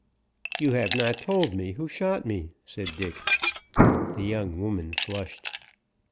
"You have not told me who shot me," said Dick. The young woman flushed.